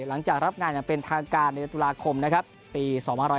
หลังจากรับงานอย่างเป็นทางการในทุลาคมปี๒๕๖